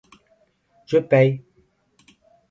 Je paye!